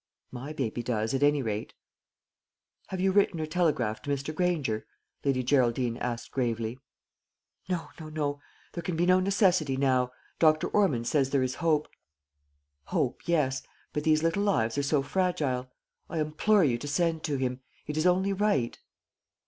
"My baby does, at any rate." "Have you written or telegraphed to Mr. Granger?" Lady Geraldine asked gravely. "No, no, no; there can be no necessity now. Dr. Ormond says there is hope." "Hope, yes; but these little lives are so fragile. I implore you to send to him. It is only right."